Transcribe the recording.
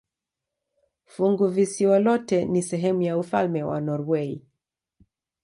Funguvisiwa lote ni sehemu ya ufalme wa Norwei.